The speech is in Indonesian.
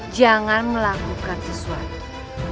jangan melakukan sesuatu